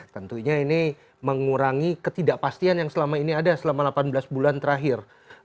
tentunya ini mengurangi ketidakpastian yang selama ini ada selama delapan belas bulan terakhir